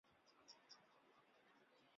年轻时去世。